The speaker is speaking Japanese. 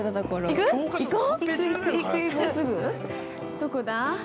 どこだ？